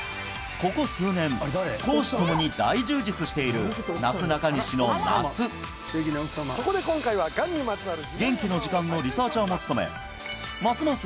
ここ数年公私ともに大充実しているなすなかにしの那須「ゲンキの時間」のリサーチャーも務めますます